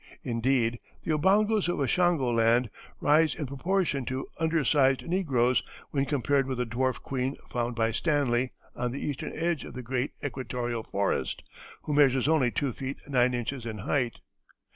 Indeed the Obongos of Ashango Land rise in proportion to undersized negroes when compared with the dwarf queen found by Stanley on the eastern edge of the great equatorial forest, who measures only two feet nine inches in height.